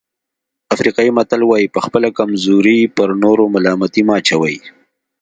افریقایي متل وایي په خپله کمزوري پر نورو ملامتي مه اچوئ.